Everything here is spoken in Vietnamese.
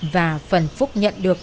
và phần phúc nhận được